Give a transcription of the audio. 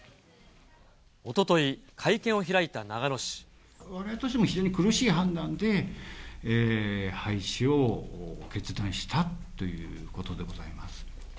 おととい、われわれとしても非常に苦しい判断で、廃止を決断したということでございます。